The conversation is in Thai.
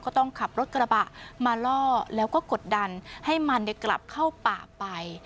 ต้องขับรถกระบะมาล่อแล้วก็กดดันให้มันกลับเข้าป่าไป